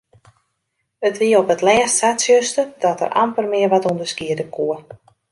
It wie op 't lêst sa tsjuster dat er amper mear wat ûnderskiede koe.